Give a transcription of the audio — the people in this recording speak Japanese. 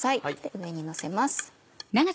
上にのせます。